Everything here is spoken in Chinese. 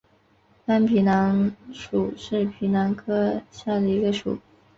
斑皮蠹属是皮蠹科下的一个属。